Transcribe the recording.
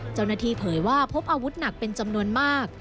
เจ้าหน้าที่เผยว่าพบอาวุธหนักเป็นจำนวนมาก